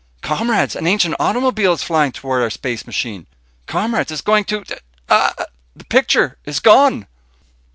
Comrades ... an ancient automobile is flying toward our space machine. Comrades ... it is going to Ah ... the picture is gone."